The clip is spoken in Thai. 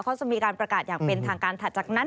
เขาจะมีการประกาศอย่างเป็นทางการถัดจากนั้น